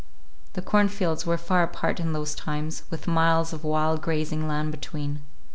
The cornfields were far apart in those times, with miles of wild grazing land between.